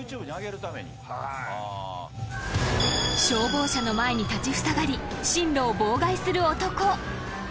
［消防車の前に立ちふさがり進路を妨害する男］